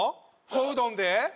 小うどんで？